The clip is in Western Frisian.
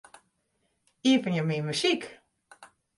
Iepenje Myn muzyk.